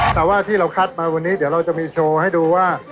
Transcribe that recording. แต่ว่าที่เราคัดมาวันนี้เดี๋ยวเราจะมีโชว์ให้ดูว่า